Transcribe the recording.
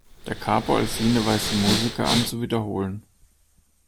"Da Capo al fine" weist den Musiker an, zu wiederholen.